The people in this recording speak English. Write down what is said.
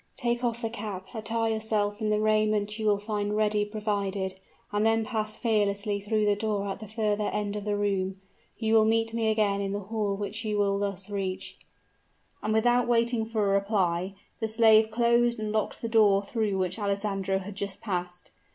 "Take off the cap attire yourself in the raiment you will find ready provided, and then pass fearlessly through the door at the further end of the room. You will meet me again in the hall which you will thus reach." And, without waiting for a reply, the slave closed and locked the door through which Alessandro had just passed.